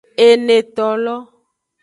Enetolo.